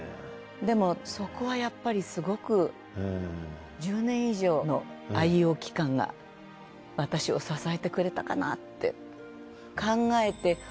でもそこはやっぱりすごく１０年以上の愛用期間が私を支えてくれたかなって。